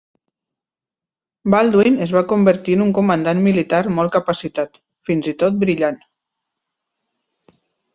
Baldwin es va convertir en un comandant militar molt capacitat, fins i tot brillant.